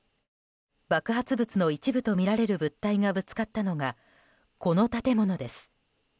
爆発物の一部とみられる物体がぶつかったのがこの建物です。